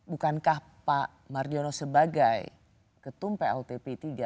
bukankah pak mardiono sebagai ketum plt p tiga